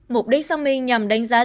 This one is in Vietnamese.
mục đích xác minh nhằm đánh giá